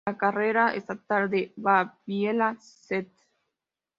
La Carretera Estatal de Baviera St.